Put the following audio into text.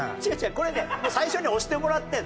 これね最初に押してもらってるの。